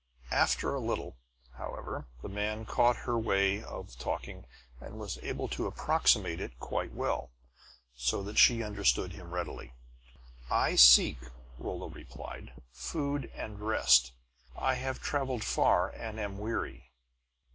After a little, however, the man caught her way of talking and was able to approximate it quite well, so that she understood him readily. "I seek," Rolla replied, "food and rest. I have traveled far and am weary."